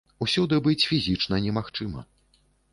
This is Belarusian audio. Усюды быць фізічна немагчыма.